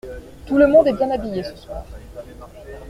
Tout le monde est bien habillé ce soir.